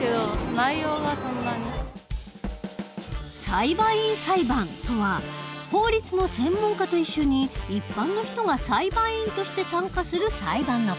中高生のみんな裁判員裁判とは法律の専門家と一緒に一般の人が裁判員として参加する裁判の事。